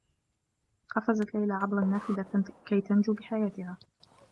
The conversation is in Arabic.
قفزت ليلى عبر النّافذة كي تنجو بحياتها.